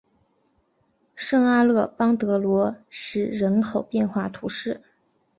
圣阿勒邦德罗什人口变化图示